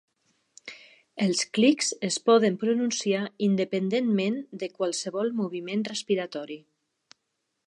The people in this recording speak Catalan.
Els clics es poden pronunciar independentment de qualsevol moviment respiratori.